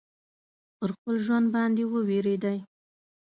پر خپل ژوند باندي وبېرېدی.